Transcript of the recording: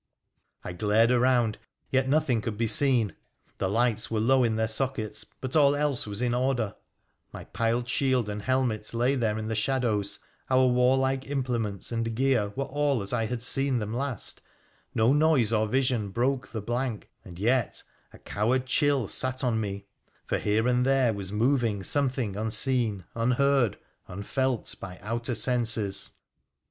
I glared around, yet nothing could be seen : the lights pere low in their sockets, but all else was in order : my piled hield and helmet lay there in the shadows, our warlike im dements and gear were all as I had seen them last, no noise ir vision broke the blank, and yet — and yet — a coward chill at on me, for here and there was moving something unseen, mheard, unfelt by outer senses.